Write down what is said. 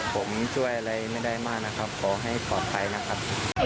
ผมช่วยอะไรไม่ได้มากนะครับขอให้ปลอดภัยนะครับ